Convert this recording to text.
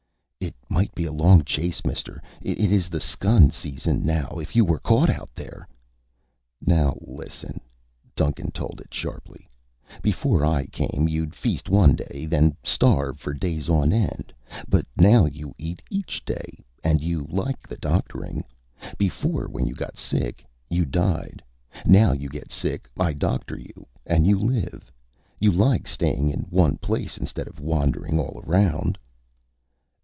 "It might be a long chase, mister. It is the skun season now. If you were caught out there...." "Now listen," Duncan told it sharply. "Before I came, you'd feast one day, then starve for days on end; but now you eat each day. And you like the doctoring. Before, when you got sick, you died. Now you get sick, I doctor you, and you live. You like staying in one place, instead of wandering all around."